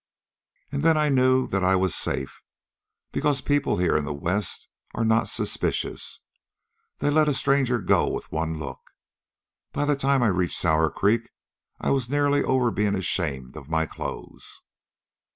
"And then I knew that I was safe, because people here in the West are not suspicious. They let a stranger go with one look. By the time I reached Sour Creek I was nearly over being ashamed of my clothes.